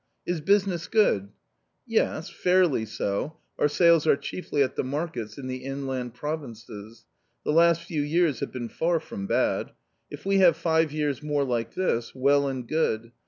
" Is business good ?"" Yes, fairly so ; our sales are chiefly at the markets in the inland provinces. The last few years have been far from bad ! If we have five years more like this, well and good.